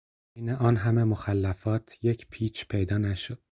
بین آن همه مخلفات، یک پیچ پیدا نشد